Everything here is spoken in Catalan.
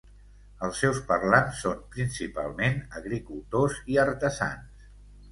Els seus parlants són principalment agricultors i artesans.